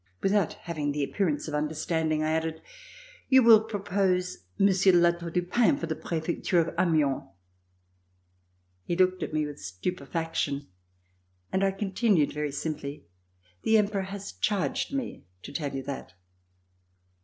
Without having the appearance of understanding, I added: "You will propose Monsieur de La Tour du Pin for the prefecture of Amiens." He looked at me with stupification and I continued very simply, "The Emperor has charged me to tell you that."